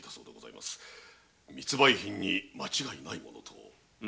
密売品に間違いないものと。